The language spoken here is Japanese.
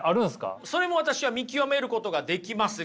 それも私は見極めることができますが。